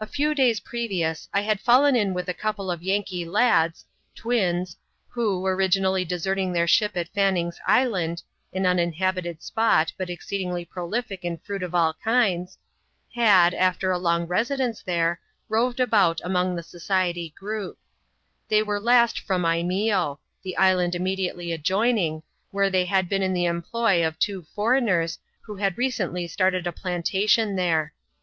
A few days previous, I had M\eiv 'm n^VCsi ^ itwr^^icJlXv^^fck CHAP, ij.] ^ WILSON GIVES US THE CUT. 199 lads, twins, who, originailj deserting their ship at Fanning's Island (an uninhabited spot, but exceedingly prolific in fruit of all kinds), had, after a long residence there, roved about among the Society group. They were last from Imeeo — the island immediately adjoining — where they had been in the employ of two foreigners^ who had recently started a plantation there.